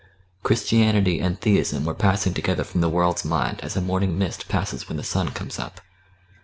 Christianity and Theism were passing together from the world's mind as a morning mist passes when the sun comes up.